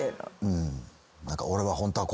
うん。